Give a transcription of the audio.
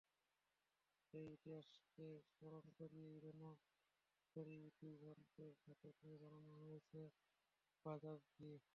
সেই ইতিহাসকে স্মরণ করেই রণতরি ভিক্রান্তের ধাতব দিয়ে বানানো হয়েছে বাজাজ ভি।